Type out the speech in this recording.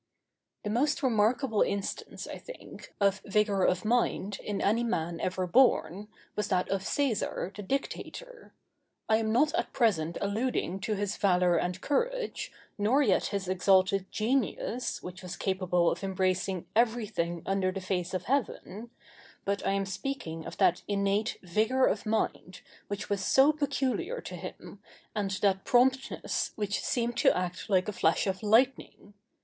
The most remarkable instance, I think, of vigor of mind in any man ever born, was that of Cæsar, the Dictator. I am not at present alluding to his valor and courage, nor yet his exalted genius, which was capable of embracing everything under the face of heaven, but I am speaking of that innate vigor of mind, which was so peculiar to him, and that promptness which seemed to act like a flash of lightning.